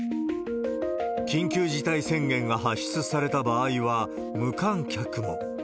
緊急事態宣言が発出された場合は無観客も。